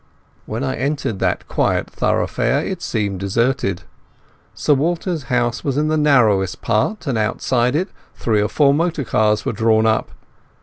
When I entered that quiet thoroughfare it seemed deserted. Sir Walter's house was in the narrow part, and outside it three or four motor cars were drawn up.